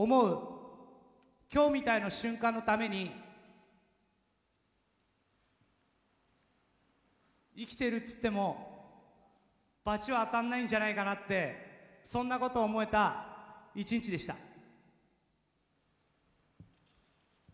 今日みたいな瞬間のために生きてるっつっても罰は当たんないんじゃないかなってそんなことを思えた一日でした。